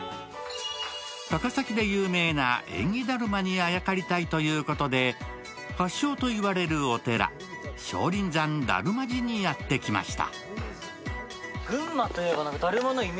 高崎で有名な縁起だるまにあやかりたいということで、発祥といわれるお寺、少林山達磨寺にやって来ました。